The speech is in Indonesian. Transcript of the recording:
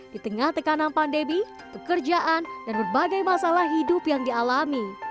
di tengah tekanan pandemi pekerjaan dan berbagai masalah hidup yang dialami